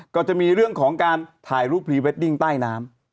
ก็จะมีเรื่องของการถ่ายรูปพรีเวดดิ้งใต้น้ำ